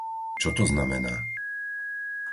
Čo to znamená?